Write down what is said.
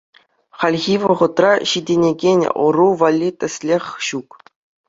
Хальхи вӑхӑтра ҫитӗнекен ӑру валли тӗслӗх ҫук.